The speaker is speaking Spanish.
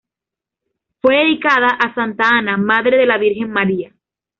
Fue dedicada a Santa Ana madre de la virgen María.